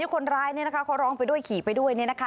คนร้ายเขาร้องไปด้วยขี่ไปด้วย